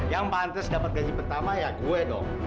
yang pantas dapat gaji pertama ya gue dong